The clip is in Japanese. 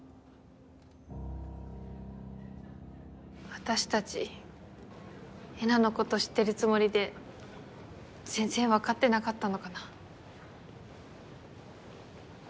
私たちえなのこと知ってるつもりで全然分かってなかったのかな。